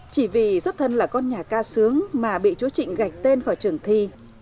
chỉ vì xuất thân là con nhà ca sướng mà bị chú trịnh gạch tên khỏi trường thi